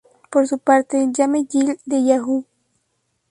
Por su parte, Jamie Gill de Yahoo!